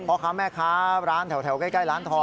พ่อค้าแม่ค้าร้านแถวใกล้ร้านทอง